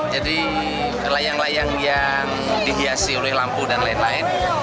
jadi layang layang yang dihiasi oleh lampu dan lain lain